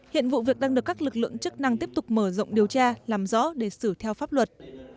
hiện vụ việc đang được các lực lượng chức năng tiếp tục mở rộng điều tra làm rõ để xử theo pháp luật